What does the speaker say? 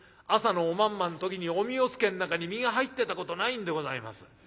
朝のおまんまの時におみおつけの中に実が入ってたことないんでございます。